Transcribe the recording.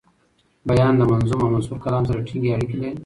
بیان د منظوم او منثور کلام سره ټینګي اړیکي لري.